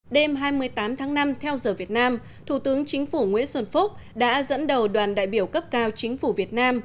đêm hai mươi tám tháng năm theo giờ việt nam thủ tướng chính phủ nguyễn xuân phúc đã dẫn đầu đoàn đại biểu cấp cao chính phủ việt nam